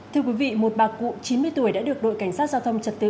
thưa quý vị một bà cụ chín mươi tuổi đã được đội cảnh sát giao thông trật tự